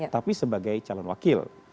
tapi sebagai calon wakil